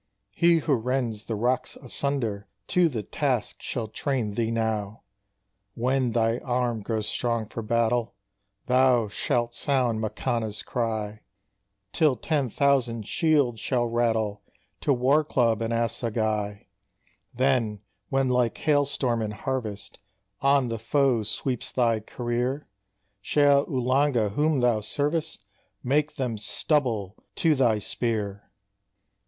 HE who rends the rocks asunder To the task shall train thee now! "When thy arm grows strong for battle, Thou shalt sound Makanna's cry, Till ten thousand shields shall rattle To war club and assegai: Then, when like hail storm in harvest On the foe sweeps thy career, Shall Uhlanga whom thou servest, Make them stubble to thy spear!"